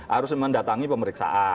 harus mendatangi pemeriksaan